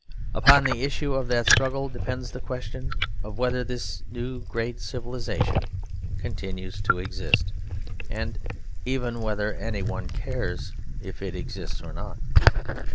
Upon the issue of that struggle depends the question of whether this new great civilisation continues to exist, and even whether any one cares if it exists or not.